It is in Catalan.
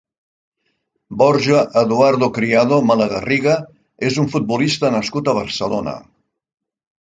Borja Eduardo Criado Malagarriga és un futbolista nascut a Barcelona.